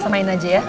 samain aja ya